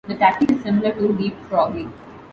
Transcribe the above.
The tactic is similar to leapfrogging.